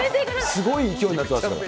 すごい勢いになってますから。